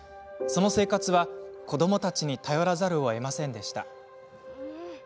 その生活は、子どもたちに頼らざるをえませんでした。